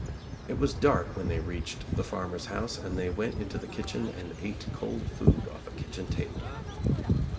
It was dark when they reached the farmer's house and they went into the kitchen and ate cold food off a kitchen table.